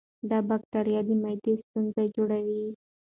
دا بکتریاوې د معدې ستونزې جوړوي.